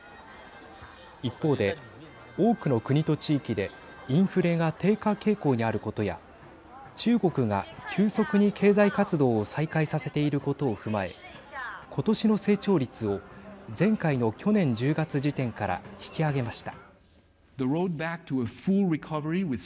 一方で多くの国と地域でインフレが低下傾向にあることや中国が急速に経済活動を再開させていることを踏まえ今年の成長率を前回の去年１０月時点から引き上げました。